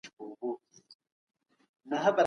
دا غونډه به د اوبو د مديريت تګلاره جوړه کړي.